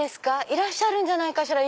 いらっしゃるんじゃないかしら？